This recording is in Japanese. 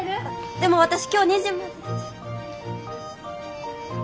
でも私今日２時まで。